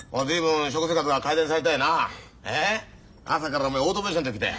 朝からおめえオートメーションときた。